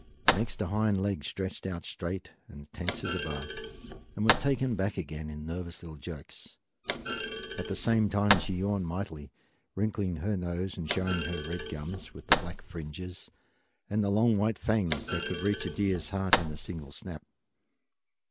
Next a hind leg stretched out straight and tense as a bar, and was taken back again in nervous little jerks. At the same time she yawned mightily, wrinkling her nose and showing her red gums with the black fringes and the long white fangs that could reach a deer's heart in a single snap.